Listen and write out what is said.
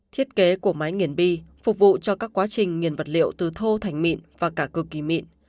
thiết kế của máy nghiền bi phục vụ cho các quá trình nghiền vật liệu từ thô thành mịn và cả cực kỳ mịn